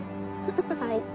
はい。